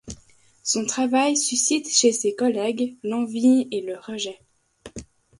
Son travail suscite chez ses collègues l'envie et le rejet.